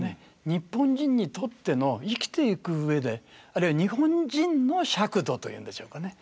日本人にとっての生きていく上であるいは日本人の尺度というんでしょうかね